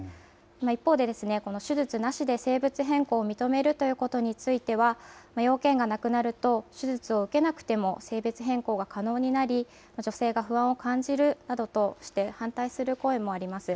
一方で、この手術なしで性別変更を認めるということについては、要件がなくなると、手術を受けなくても性別変更が可能になり、女性が不安を感じるなどとして、反対する声もあります。